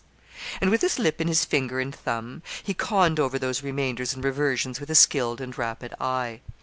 And, with his lip in his finger and thumb, he conned over those remainders and reversions with a skilled and rapid eye.